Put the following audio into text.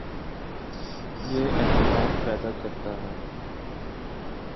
یہ اعتماد پیدا کرتا ہے